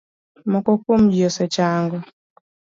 Moko kuom ji osechango.